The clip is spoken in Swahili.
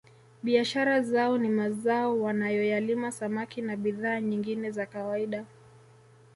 Biashara zao ni mazao wanayoyalima samaki na bidhaa nyingine za kawaida